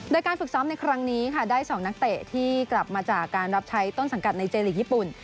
โดยการฝึกซ้อมในครั้งนี้ค่ะได้๒นักเตะที่กลับมาจากการรับใช้ต้นสังกัดในเจลีกญี่ปุ่น